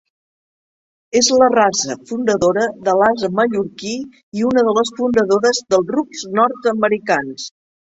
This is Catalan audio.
És la raça fundadora de l'ase mallorquí i una de les fundadores dels rucs nord-americans.